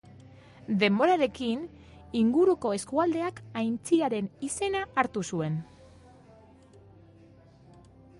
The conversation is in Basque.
Denborarekin, inguruko eskualdeak aintziraren izena hartu zuen.